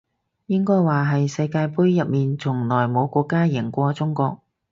應該話係世界盃入面從來冇國家贏過中國